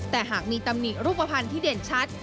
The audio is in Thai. แต่หากมีตำหนิรูปภัณฑ์ที่เด่นชัด